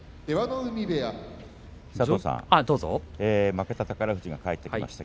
負けた宝富士が帰ってきました。